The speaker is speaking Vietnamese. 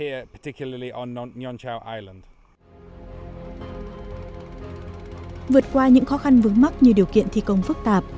vượt qua những khó khăn vướng mắt như điều kiện thi công phức tạp